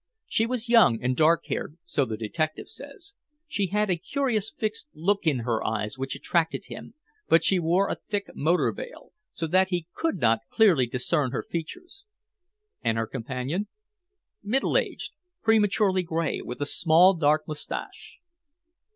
"She was young and dark haired, so the detective says. She had a curious fixed look in her eyes which attracted him, but she wore a thick motor veil, so that he could not clearly discern her features." "And her companion?" "Middle aged, prematurely gray, with a small dark mustache."